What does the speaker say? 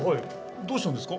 どうしたんですか？